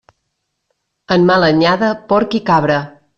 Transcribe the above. En mala anyada, porc i cabra.